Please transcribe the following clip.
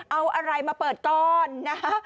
เอาอะไรมาเปิดก่อนนะฮะ